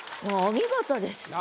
もうお見事です。